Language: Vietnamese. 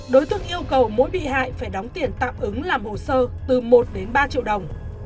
đối tượng yêu cầu mỗi bị hại phải đóng tiền tạm ứng làm hồ sơ từ một đến ba triệu đồng